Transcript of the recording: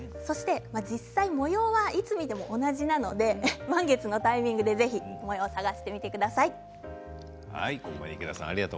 実際、模様はいつ見ても同じなので満月のタイミングでぜひ模様を探してみてください。